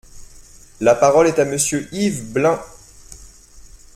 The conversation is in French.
La parole est à Monsieur Yves Blein.